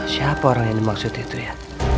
siapa orang yang dimaksud itu ya